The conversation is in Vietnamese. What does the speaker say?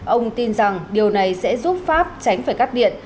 ông tin rằng điều này sẽ giúp pháp tránh phải cắt điện